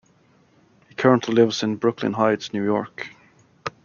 He currently lives in Brooklyn Heights, New York.